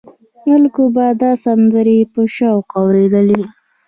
خلکو به دا سندرې په شوق اورېدلې.